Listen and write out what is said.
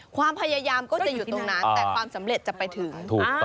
ความพยายามก็จะอยู่ตรงนั้นแต่ความสำเร็จจะไปถึง